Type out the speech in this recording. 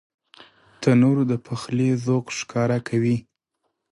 تنور د پخلي ذوق ښکاره کوي